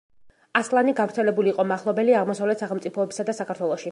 ასლანი გავრცელებული იყო მახლობელი აღმოსავლეთ სახელმწიფოებსა და საქართველოში.